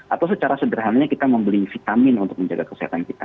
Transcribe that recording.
atau secara sederhananya kita membeli vitamin untuk menjaga kesehatan kita